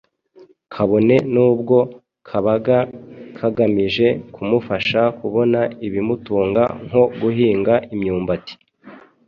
kabone n'ubwo kabaga kagamije kumufasha kubona ibimutunga nko guhinga imyumbati